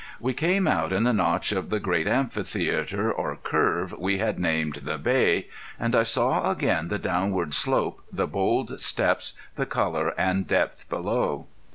We came out in the notch of the great amphitheater or curve we had named the Bay, and I saw again the downward slope, the bold steps, the color and depth below.